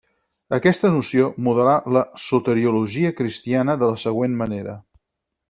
Aquesta noció modelà la soteriologia cristiana de la següent manera.